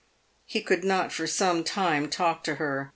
He could not for some time talk to her.